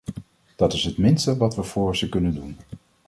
Dat is het minste wat we voor ze kunnen doen.